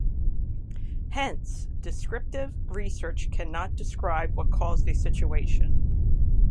Hence, descriptive research cannot describe what caused a situation.